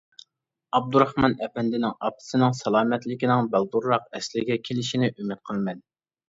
ئابدۇراخمان ئەپەندىنىڭ ئاپىسىنىڭ سالامەتلىكىنىڭ بالدۇرراق ئەسلىگە كېلىشىنى ئۈمىد قىلىمەن.